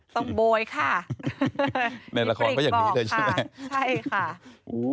ต้องโบยค่ะในละครก็อย่างนี้เลยใช่ไหมมีปลีกบอกค่ะใช่ค่ะ